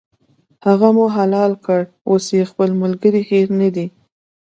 هغه مو حلال کړ، اوس یې خپل ملګری هېر نه دی.